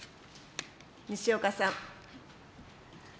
西岡さん。